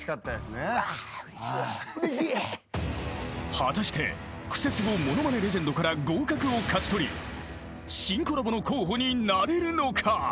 ［果たしてクセスゴものまねレジェンドから合格を勝ち取り新コラボの候補になれるのか？］